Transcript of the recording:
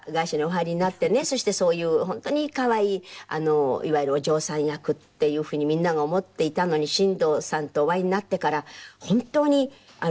そしてそういう本当に可愛いいわゆるお嬢さん役っていう風にみんなが思っていたのに新藤さんとお会いになってから本当にもう次々次々。